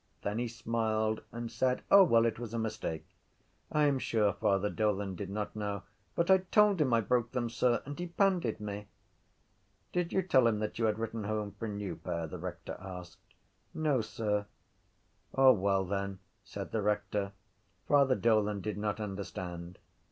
Then he smiled and said: —O, well, it was a mistake, I am sure Father Dolan did not know. —But I told him I broke them, sir, and he pandied me. —Did you tell him that you had written home for a new pair? the rector asked. —No, sir. —O well then, said the rector, Father Dolan did not understand.